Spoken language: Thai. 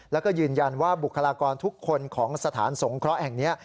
แล้วก็ยืนยันว่าบุคลากรทุกคนของสถานสงเคราะห์แห่งนี้